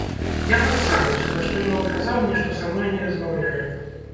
Я прадставіўся, на што ён адказаў мне, што са мной не размаўляе.